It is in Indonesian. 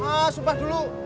ah sumpah dulu